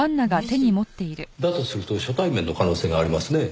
だとすると初対面の可能性がありますねぇ。